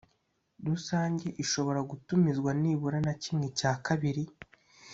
Rusange ishobora gutumizwa nibura na kimwe cya kabiri